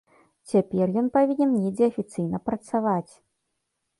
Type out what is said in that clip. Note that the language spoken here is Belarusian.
Цяпер ён павінен недзе афіцыйна працаваць.